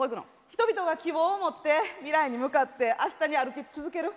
人々が希望を持って未来に向かって明日に歩き続ける。